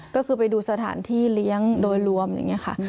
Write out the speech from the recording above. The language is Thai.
ก็คือไปดูสถานที่เลี้ยงโดยรวมอย่างนี้ค่ะ